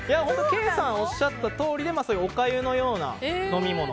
ケイさんがおっしゃったとおりでおかゆのような飲み物。